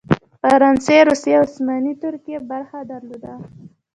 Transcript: فرانسې، روسیې او عثماني ترکیې برخه درلوده.